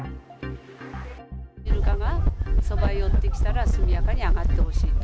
イルカがそば寄ってきたら、速やかに上がってほしいと。